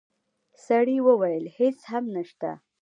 سړی وویل: هیڅ هم نشته.